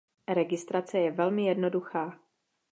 Registrace je velmi jednoduchá.